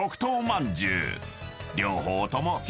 ［両方とも］